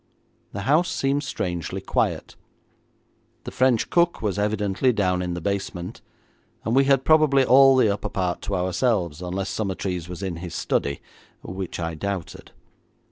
The house seemed strangely quiet. The French cook was evidently down in the basement, and we had probably all the upper part to ourselves, unless Summertrees was in his study, which I doubted.